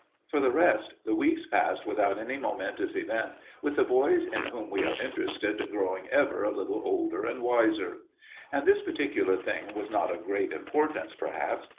For the rest, the weeks passed without any momentous event, with the boys in whom we are interested growing ever a little older and wiser. And this particular thing was not of great importance, perhaps.